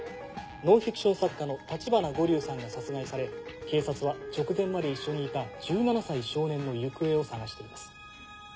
ノンフィクション作家の橘五柳さんが殺害され警察は直前まで一緒にいた１７歳少年の行方を捜しています。